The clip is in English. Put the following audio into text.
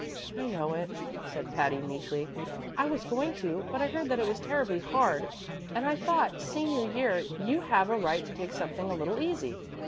"I know it," said Patty, meekly. "I was going to, but I heard that it was terribly hard, and I thought senior year you have a right to take something a little easy.